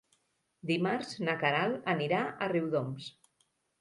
Dimarts na Queralt anirà a Riudoms.